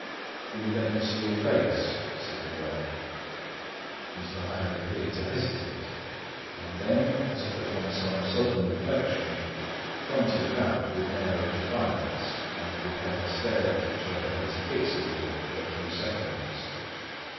"Will you let me see your face?" asked the lawyer. Mr. Hyde appeared to hesitate, and then, as if upon some sudden reflection, fronted about with an air of defiance; and the pair stared at each other pretty fixedly for a few seconds.